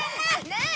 ねえ！